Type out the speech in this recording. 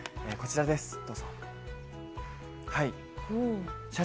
こちらです。